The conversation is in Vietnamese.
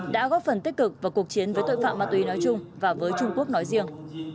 đã góp phần tích cực vào cuộc chiến với tội phạm ma túy nói chung và với trung quốc nói riêng